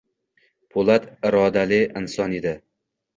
Po‘lat irodali inson edi...